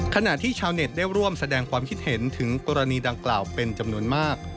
ขณะที่ชาวเน็ตได้ร่วมแสดงความคิดเห็นถึงกรณีดังกล่าวเป็นจำนวนมาก